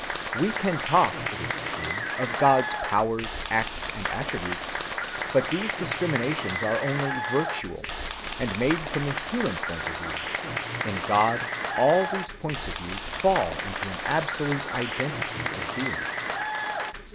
We can talk, it is true, of God's powers, acts, and attributes, but these discriminations are only "virtual," and made from the human point of view. In God all these points of view fall into an absolute identity of being.